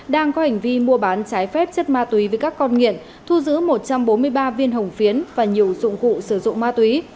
đang có hành vi mua bán trái phép chất ma túy với các con nghiện thu giữ một trăm bốn mươi ba viên hồng phiến và nhiều dụng cụ sử dụng ma túy